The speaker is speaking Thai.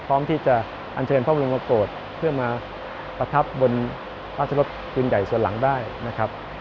พร้อมที่จะอันเชิญพระบรมโกรธเพื่อมาประทับบนราชรสปืนใหญ่ส่วนหลังได้นะครับ